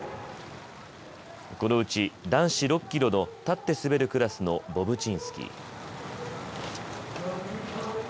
このうち男子６キロの立って滑るクラスのボブチンスキー。